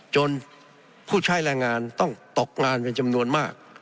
ผู้ใช้แรงงานต้องตกงานเป็นจำนวนมาก